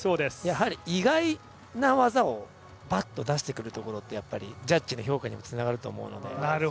やはり意外な技をバッと出してくるところってジャッジの評価にもつながると思うんで。